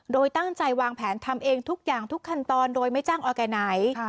โดยตั้งใจวางแผนทำเองทุกอย่างทุกขั้นตอนโดยไม่จ้างออร์แกไนท์